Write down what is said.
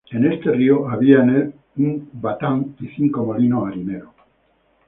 En este río había en el un batán y cinco molinos harineros.